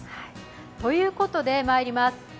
ということで、まいります